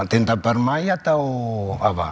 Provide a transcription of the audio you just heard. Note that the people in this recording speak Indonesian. tentang permainan atau apa